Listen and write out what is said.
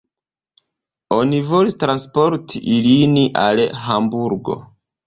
Oni volis transporti ilin al Hamburgo.